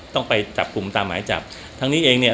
ต้องไปจับกลุ่มตามหมายจับทั้งนี้เองเนี่ย